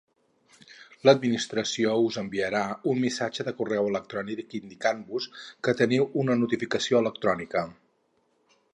L'Administració us enviarà un missatge de correu electrònic indicant-vos que teniu una notificació electrònica.